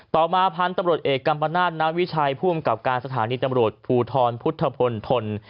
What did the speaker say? ต่อมาพันธุ์ตำรวจเอกกัมปนาศนาวิชัยผู้อำกับการสถานีตำรวจภูทรพุทธพลทน